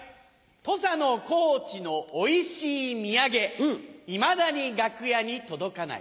土佐の高知のおいしい土産いまだに楽屋に届かない。